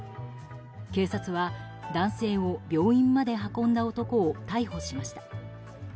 警察は男性を病院まで運んだ男を逮捕しました。